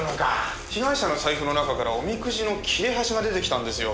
被害者の財布の中からおみくじの切れ端が出てきたんですよ。